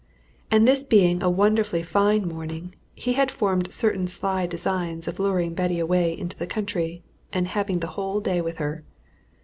And this being a wonderfully fine morning, he had formed certain sly designs of luring Betty away into the country, and having the whole day with her.